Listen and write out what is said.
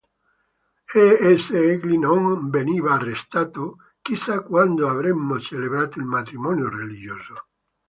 E se egli non veniva arrestato, chi sa quando avremmo celebrato il matrimonio religioso.